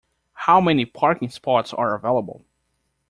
How many parking spots are available?